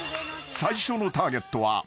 ［最初のターゲットは］